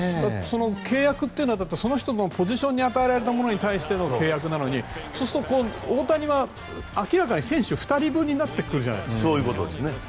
契約っていうのはその人のポジションに与えられたものに対しての契約なのに、大谷は明らかに選手２人分になってくるじゃないですか。